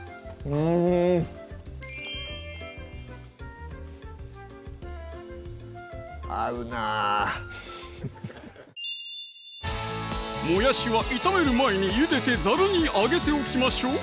うん合うなもやしは炒める前にゆでてザルに上げておきましょう